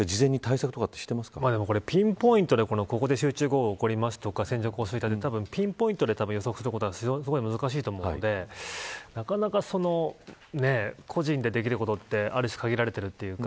これピンポイントでここで集中豪雨が起こりますとかピンポイントで予測することは難しいと思うのでなかなか個人でできることって限られているというか。